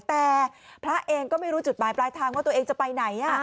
แต่พระเองก็ไม่รู้จุดหมายปลายทางว่าตัวเองจะไปไหน